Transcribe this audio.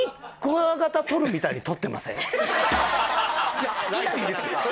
いやいないんですよ。